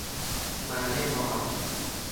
มาแน่นอน